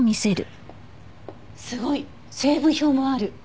すごい！成分表もある。